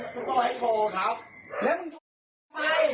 ก็ไปโชว์ครับ